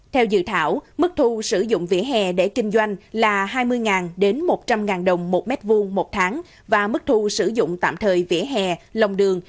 theo dự thảo mức thu sử dụng vỉa hè để kinh doanh là hai mươi đến một trăm linh đồng một mét vuông một tháng và mức thu sử dụng tạm thời vỉa hè lòng đường